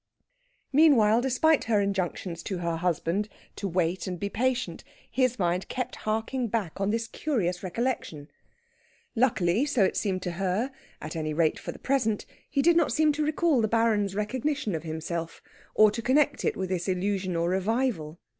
Meanwhile, despite her injunctions to her husband to wait and be patient, his mind kept harking back on this curious recollection. Luckily, so it seemed to her at any rate for the present he did not seem to recall the Baron's recognition of himself, or to connect it with this illusion or revival.